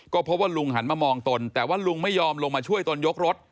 ก็พบว่าลุงหันมามองตนแต่ว่าลุงไม่ยอมลงมาช่วยตนยกรถ